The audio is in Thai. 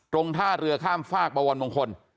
ตรงท่าเรือข้ามฝากประวันมงคล